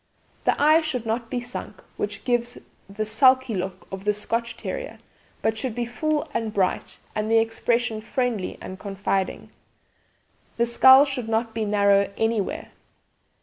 The eye should not be sunk, which gives the sulky look of the 'Scotch' Terrier, but should be full and bright, and the expression friendly and confiding. The skull should not be narrow anywhere.